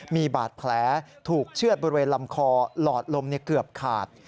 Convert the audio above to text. มีบาดแผลถูกเชื่อดบริเวณลำคอหลอดลมเกือบขาด